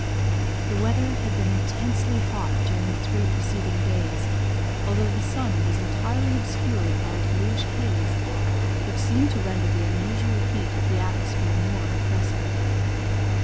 The weather had been intensely hot during the three preceding days, although the sun was entirely obscured by a blueish haze, which seemed to render the unusual heat of the atmosphere more oppressive.